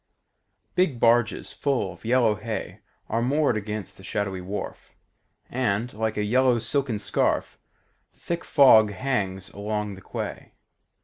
Big barges full of yellow hay Are moored against the shadowy wharf, And, like a yellow silken scarf, The thick fog hangs along the quay.